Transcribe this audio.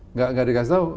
enggak dikasih tahu